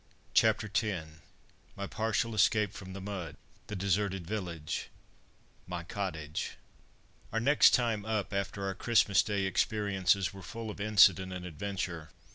CHAPTER X MY PARTIAL ESCAPE FROM THE MUD THE DESERTED VILLAGE MY "COTTAGE" Our next time up after our Christmas Day experiences were full of incident and adventure.